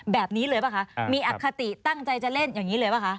แบบนี้เลยป่ะคะมีอคติตั้งใจจะเล่นอย่างนี้เลยป่ะคะ